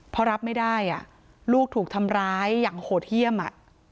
เพราะรับไม่ได้ลูกถูกทำร้ายอย่างโหดเยี่ยม